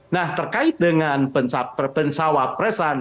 nah terkait dengan pensyawapresan